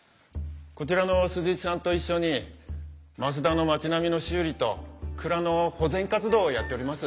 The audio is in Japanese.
こちらの鈴石さんと一緒に増田の町並みの修理と蔵の保全活動をやっております。